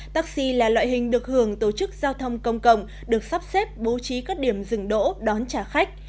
taxi là loại hình được hưởng tổ chức giao thông công cộng được sắp xếp bố trí các điểm dừng đỗ đón trả khách